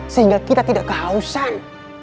sehingga kita tidak kehausan